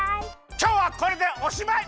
きょうはこれでおしまい！